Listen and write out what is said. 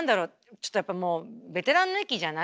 ちょっとやっぱもうベテランの域じゃない？